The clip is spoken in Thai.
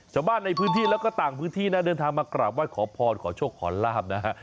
ชาวบ้านในพื้นที่แล้วก็ต่างพื้นที่นะเดินทางมากราบไห้ขอพรขอโชคขอลาบนะฮะ